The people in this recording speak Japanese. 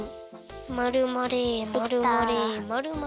まるまれまるまれまるまれ。